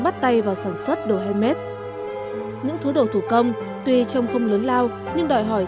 bắt tay vào sản xuất đồ handmade những thứ đồ thủ công tuy trong không lớn lao nhưng đòi hỏi